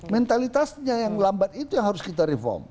mentalitasnya yang lambat itu yang harus kita reform